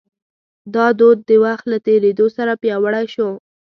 دا دود د وخت له تېرېدو سره پیاوړی شو.